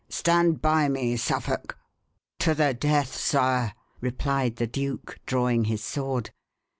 Stand by me, Suffolk." "To the death, sire," replied the duke, drawing his sword.